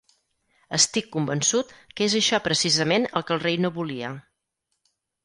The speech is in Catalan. Estic convençut que és això precisament el que el rei no volia.